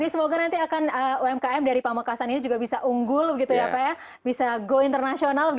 semoga umkm dari pamekasan ini bisa unggul bisa go internasional